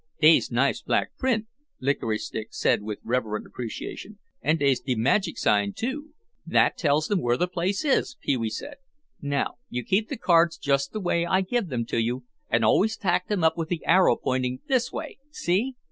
"Dey's nice black print," Licorice Stick said with reverent appreciation. "En dey's de magic sign, too." "That tells them where the place is," Pee wee said. "Now, you keep the cards just the way I give them to you and always tack them up with the arrow pointing this way, see?